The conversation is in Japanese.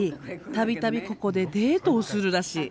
度々ここでデートをするらしい。